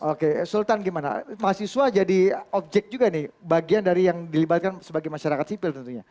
oke sultan gimana mahasiswa jadi objek juga nih bagian dari yang dilibatkan sebagai masyarakat sipil tentunya